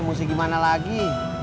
mau segimana lagi